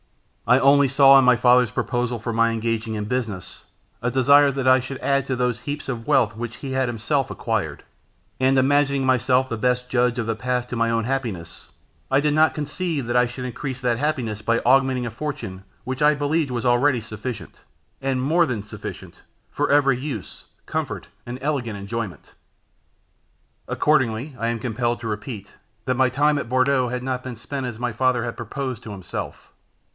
I only saw in my father's proposal for my engaging in business, a desire that I should add to those heaps of wealth which he had himself acquired; and imagining myself the best judge of the path to my own happiness, I did not conceive that I should increase that happiness by augmenting a fortune which I believed was already sufficient, and more than sufficient, for every use, comfort, and elegant enjoyment. Accordingly, I am compelled to repeat, that my time at Bourdeaux had not been spent as my father had proposed to himself.